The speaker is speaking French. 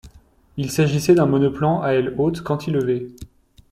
Il s'agissait d'un monoplan à aile haute cantilever.